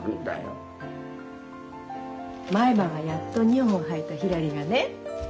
前歯がやっと２本生えたひらりがね